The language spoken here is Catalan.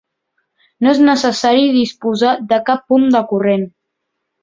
No és necessari disposar de cap punt de corrent.